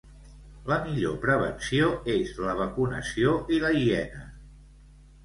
La millor prevenció és la vacunació i la higiene.